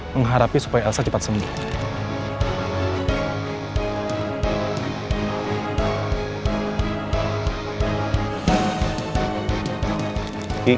mengharapkan elsa cepat sembuh